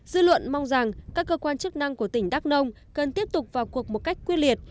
dư luận mong rằng các cơ quan chức năng của tỉnh đắk nông cần tiếp tục vào cuộc một cách quyết liệt